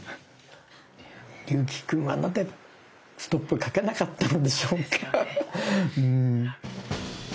竜暉くんはなぜストップかけなかったんでしょうかうん。